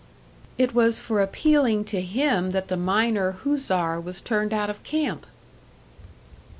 "It was for appealing to him that the miner, Huszar, was turned out of camp."